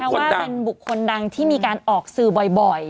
ว่าเป็นบุคคลดังที่มีการออกสื่อบ่อย